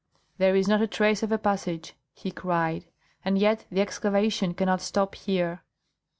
"There is not a trace of a passage!" he cried; "and yet the excavation cannot stop here."